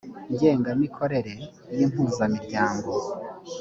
ngenga mikorere y impuzamiryango